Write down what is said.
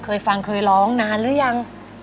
เคยฟังเคยร้องนานหรือยัง